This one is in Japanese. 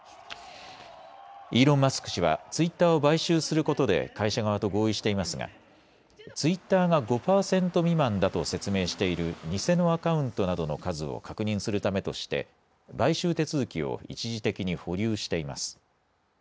イーロン・マスク氏はツイッターを買収することで会社側と合意していますがツイッターが５％未満だと説明している偽のアカウントなどの数を確認するためとして買収手続きを一時的に保留しています。